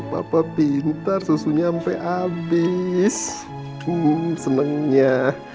kita juga di ombaik ya